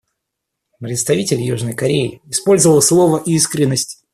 Представитель Южной Кореи использовал слово «искренность».